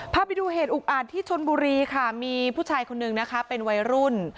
พาไปดูเหตุอุกอาจที่ชนบุรีค่ะมีผู้ชายคนนึงนะคะเป็นวัยรุ่น